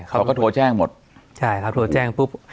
เขาก็โทรแจ้งหมดใช่ครับโทรแจ้งปุ๊บ